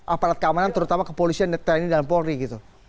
apalagi keamanan terutama kepolisian neta ini dan polri gitu